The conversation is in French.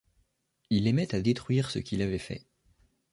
Il aimait à détruire ce qu'il avait fait.